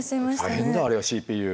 大変だよあれＣＰＵ。